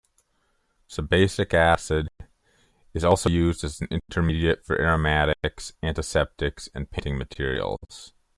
Sebacic acid is also used as an intermediate for aromatics, antiseptics, and painting materials.